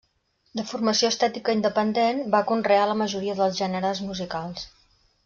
De formació estètica independent, va conrear la majoria dels gèneres musicals.